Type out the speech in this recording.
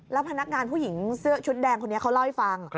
แล้วพนักงานผู้หญิงเสื้อชุดแดงคนนี้เขาเล่าให้ฟัง